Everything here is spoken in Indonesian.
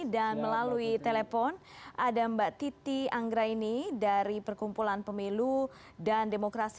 dan melalui telepon ada mbak titi anggraini dari perkumpulan pemilu dan demokrasi